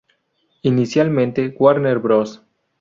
Inicialmente, Warner Bros.